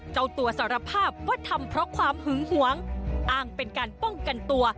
เจ้าตัวสารภาพว่าทำเพราะความหึงหวงอ้างเป็นการป้องกันตัว